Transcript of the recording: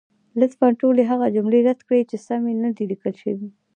لطفا ټولې هغه جملې رد کړئ، چې سمې نه دي لیکل شوې.